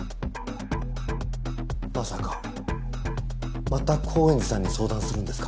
まさかまた高円寺さんに相談するんですか？